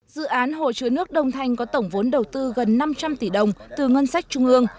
dự án hồ chứa nước đông thanh có tổng vốn đầu tư gần năm trăm linh tỷ đồng từ ngân sách trung ương